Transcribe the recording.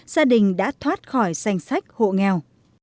gia đình đã thoát khỏi danh sách hộ nghèo